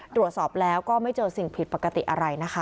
ตรวจสอบแล้วก็ไม่เจอสิ่งผิดปกติอะไรนะคะ